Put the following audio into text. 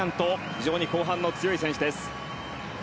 非常に後半、強い選手です。